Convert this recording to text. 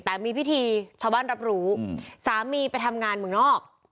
แต่มีพิธีชาวบ้านรับรู้สามีไปทำงานเมืองนอก